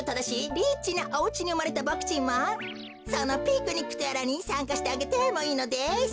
リッチなおうちにうまれたボクちんもそのピクニックとやらにさんかしてあげてもいいのです。